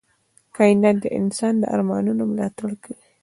کائنات د انسان د ارمانونو ملاتړ کوي.